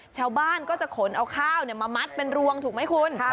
ชาวบ้านก็จะขนเอาข้าวมามัดเป็นรวงถูกไหมคุณ